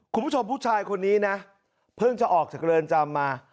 คุณผู้ชมผู้ชายคนนี้นะเพิ่งจะออกจากเรือนจำมา